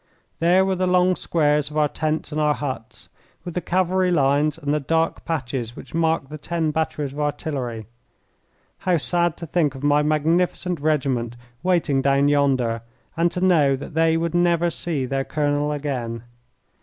There were the long squares of our tents and our huts, with the cavalry lines and the dark patches which marked the ten batteries of artillery. How sad to think of my magnificent regiment waiting down yonder, and to know that they would never see their colonel again!